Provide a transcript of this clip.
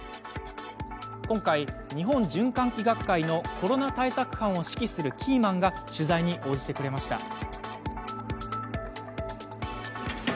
今回、日本循環器学会のコロナ対策班を指揮するキーマンが取材に応じてくれました。